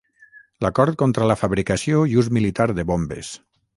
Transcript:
l'acord contra la fabricació i ús militar de bombes